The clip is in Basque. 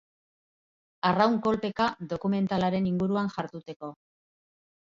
Arraun kolpeka dokumentalaren inguruan jarduteko.